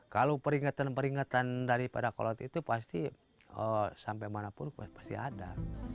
kalau peringatan peringatan daripada kolot itu pasti sampai manapun pasti ada